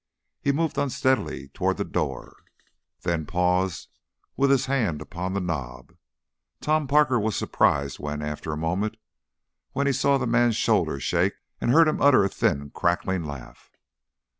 He moved unsteadily toward the door, then paused with his hand upon the knob. Tom Parker was surprised when, after a moment, he saw the man's shoulders shake and heard him utter a thin, cackling laugh.